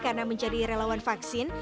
karena menjadi relawan vaksin